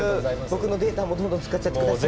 僕のデータもどんどん使っちゃって下さい。